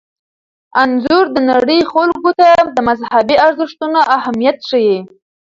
انځور د نړۍ خلکو ته د مذهبي ارزښتونو اهمیت ښيي.